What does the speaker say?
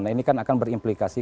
nah ini kan akan berimplikasi